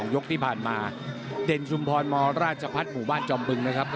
ยกที่ผ่านมาเด่นชุมพรมราชพัฒน์หมู่บ้านจอมบึงนะครับ